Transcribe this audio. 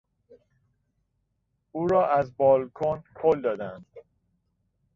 او را از بالکن هل دادند.